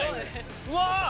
うわ！